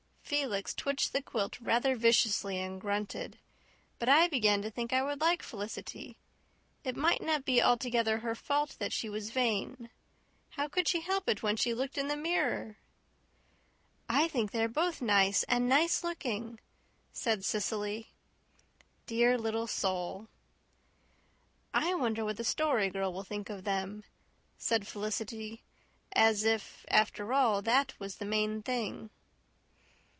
Felix twitched the quilt rather viciously and grunted. But I began to think I would like Felicity. It might not be altogether her fault that she was vain. How could she help it when she looked in the mirror? "I think they're both nice and nice looking," said Cecily. Dear little soul! "I wonder what the Story Girl will think of them," said Felicity, as if, after all, that was the main thing.